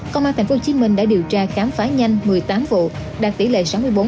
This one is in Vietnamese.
công an thành phố hồ chí minh đã điều tra khám phá nhanh một mươi tám vụ đạt tỷ lệ sáu mươi bốn hai mươi chín